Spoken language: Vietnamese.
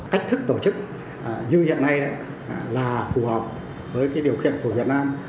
cách thức tổ chức như hiện nay là phù hợp với điều kiện của việt nam